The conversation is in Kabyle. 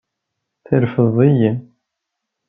Terfed-iyi.